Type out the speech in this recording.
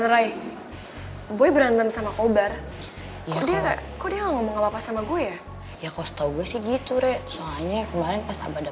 kalo dia ngasih barang ngobrol sama lo atau apa mending lo cuekin aja